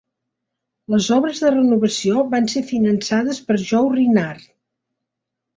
Les obres de renovació van ser finançades per Joe Rinard.